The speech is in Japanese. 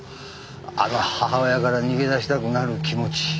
あの母親から逃げ出したくなる気持ち。